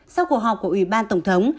sau cuộc họp của ủy ban tổng thống